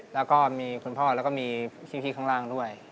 แล้วก็มีคุณพ่อแล้วก็มีพี่ข้างล่างด้วย